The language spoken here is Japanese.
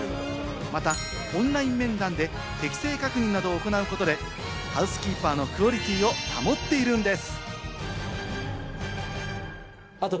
またオンライン面談で適正確認などを行うことで、ハウスキーパーのクオリティーを保っているんです。